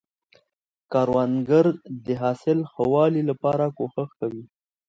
کروندګر د حاصل ښه والي لپاره کوښښ کوي